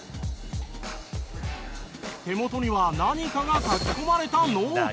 手元には何かが書き込まれたノート。